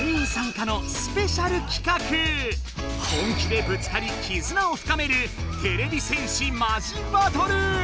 本気でぶつかりきずなを深めるてれび戦士マジバトル！